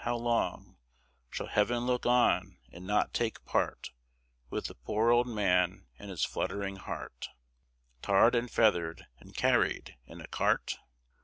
how long Shall heaven look on and not take part With the poor old man and his fluttering heart, Tarred and feathered and carried in a cart?